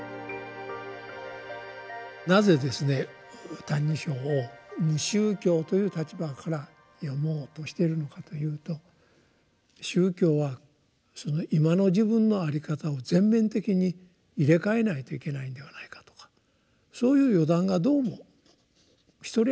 なぜですね「歎異抄」を無宗教という立場から読もうとしてるのかというと宗教は今の自分のあり方を全面的に入れ替えないといけないのではないかとかそういう予断がどうも一人歩きしてるんですね。